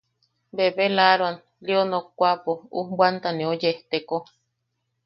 Bebelaaroan Lio nokwaʼapo ujbwanta neu yejteko.